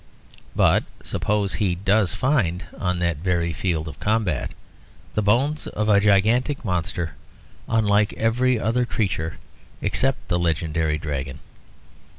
But suppose he does find, on that very field of combat, the bones of a gigantic monster unlike every other creature except the legendary dragon.